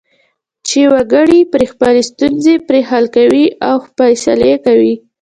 چې وګړي خپلې ستونزې پرې حل کوي او فیصلې کوي.